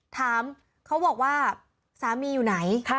ถามเขาบอกว่าสามีอยู่ไหน